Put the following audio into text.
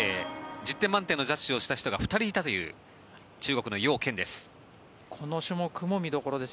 １０点満点のジャッジをした人が２人いたという中国のヨウ・ケンです。